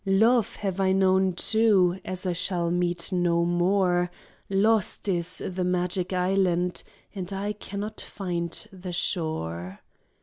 Love have I known, too, As I shall meet no more ; Lost is the magic island, And I cannot find the shore.